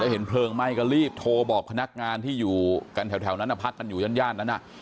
เห็นเพลิงไหม้ก็รีบโทรบอกพนักงานที่อยู่กันแถวนั้นพักกันอยู่ย่านนั้น